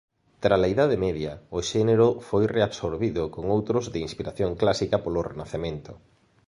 Trala idade media o xénero foi reabsorbido con outros de inspiración clásica polo Renacemento.